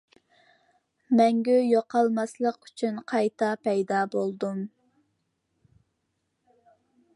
مەڭگۈ يوقالماسلىق ئۈچۈن قايتا پەيدا بولدۇم!